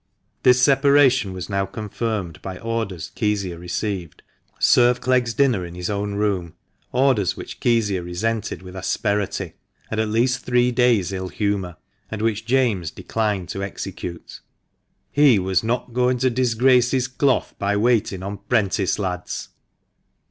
This separation was now confirmed by orders Kezia received to " serve Clegg's dinner in his own room," orders which Kezia resented with asperity, and at least three days' ill humour, and which James declined to execute. He was " not goin' to disgrace his cloth by waitin' on 'prentice lads!"